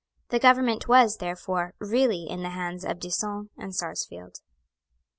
The government was, therefore, really in the hands of D'Usson and Sarsfield.